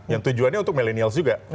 yang tujuannya untuk milenial juga